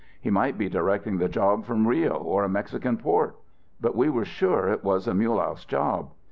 He might be directing the job from Rio or a Mexican port. But we were sure it was a Mulehaus job.